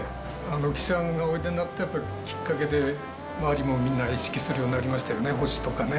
岸さんがおいでになって、やっぱりきっかけで、周りも、みんな意識するようになりましたよね、星とかね。